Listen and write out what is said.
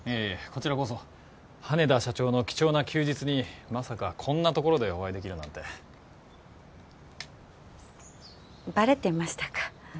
こちらこそ羽田社長の貴重な休日にまさかこんな所でお会いできるなんてバレてましたか？